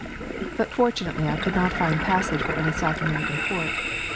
But fortunately I could not find passage for any South American port.